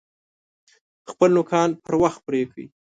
خپل نوکان پر وخت پرې کئ!